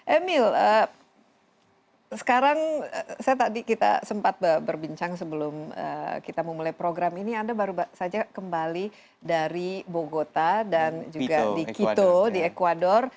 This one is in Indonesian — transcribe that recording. emil sekarang saya tadi kita sempat berbincang sebelum kita memulai program ini anda baru saja kembali dari bogota dan juga di kito di ecuador